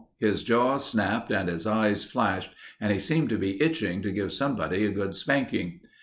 His jaws snapped and his eyes flashed, and he seemed to be itching to give somebody a good spanking.